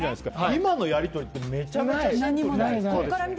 今のやり取りってめちゃめちゃシンプル。